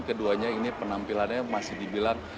keduanya ini penampilannya masih dibilang